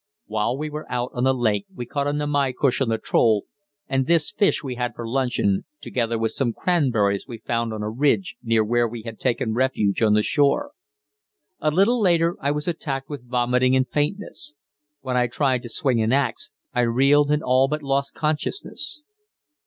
While we were out on the lake we caught a namaycush on the troll, and this fish we had for luncheon, together with some cranberries we found on a ridge near where we had taken refuge on the shore. A little later I was attacked with vomiting and faintness. When I tried to swing an axe, I reeled and all but lost consciousness.